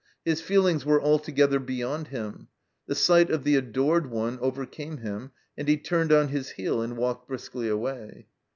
His feelings were alto gether beyond him ; the sight of the adored one overcame him, and he turned on his heel and walked briskly away.